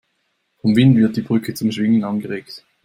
Vom Wind wird die Brücke zum Schwingen angeregt.